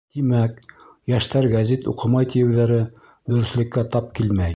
Тимәк, йәштәр гәзит уҡымай тиеүҙәре дөрөҫлөккә тап килмәй.